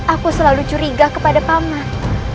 aku selalu curiga kepada paman